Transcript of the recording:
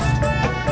ya pat teman gue